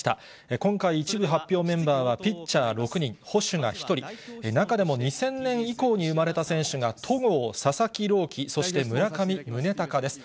今回、一部発表メンバーは、ピッチャー６人、捕手が１人、中でも２０００年以降に生まれた選手が、とごう、佐々木朗希、そして村上宗隆です。